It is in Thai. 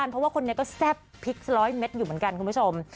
เพราะว่าคนนี้ก็แซ่บพริกร้อยเม็ดอยู่เหมือนกันคุณผู้ชม